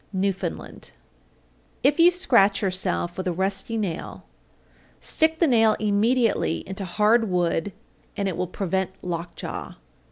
Newfoundland. 818. If you scratch yourself with a rusty nail, stick the nail immediately into hard wood, and it will prevent lockjaw.